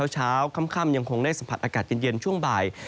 เช้าค่ำยังคงได้สัมผัสอากาศเย็นช่วงบ่าย